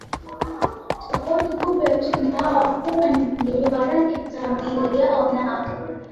Tofauti kubwa ya twiga hawa huwa ni mpangilio wa rangi katika miili yao na